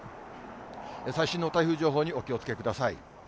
最新の台風情報にお気をつけください。